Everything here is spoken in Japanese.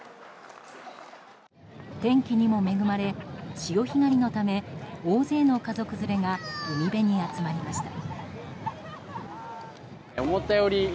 天気にも恵まれ、潮干狩りのため大勢の家族連れが海辺に集まりました。